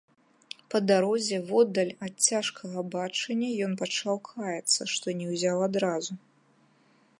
Па дарозе, воддаль ад цяжкага бачання, ён пачаў каяцца, што не ўзяў адразу.